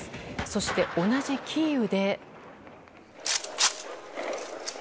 そして、同じキーウで。